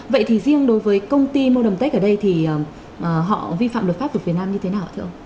vậy thì riêng đối với công ty mohamtec ở đây thì họ vi phạm luật pháp của việt nam như thế nào ạ thưa ông